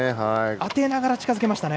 当てながら近づけましたね。